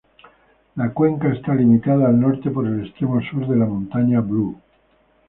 La cuenca está limitada al norte por el extremo sur de las montañas Blue.